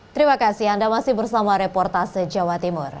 terima kasih anda masih bersama reportase jawa timur